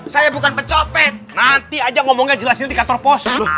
saya bukan pecopet nanti aja ngomongnya jelasin di kantor pos